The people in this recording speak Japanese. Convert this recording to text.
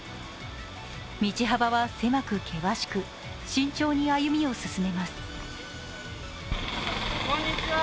道幅は狭く険しく、慎重に歩みを進めます。